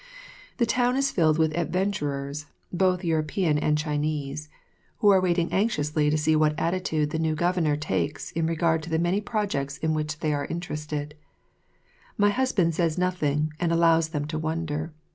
The town is filled with adventurers, both European and Chinese, who are waiting anxiously to see what attitude the new Governor takes in regard to the many projects in which they are interested. My husband says nothing and allows them to wonder.